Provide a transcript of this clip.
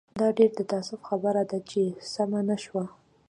دا ډېر د تاسف خبره ده چې سمه نه شوه.